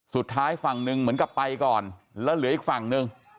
สุดท้ายฝั่งหนึ่งเหมือนกับไปก่อนแล้วเหลืออีกฝั่งหนึ่ง